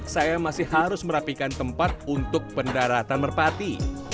saya masih harus merapikan tempat untuk pendaratan merpati